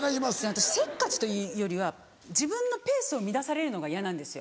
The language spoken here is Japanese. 私せっかちというよりは自分のペースを乱されるのが嫌なんですよ。